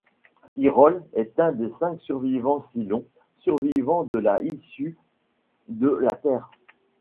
Tyrol est un des cinq derniers cylons, survivant de la issue de la terre.